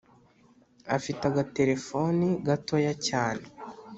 Afite agatelephoni gatoya cyane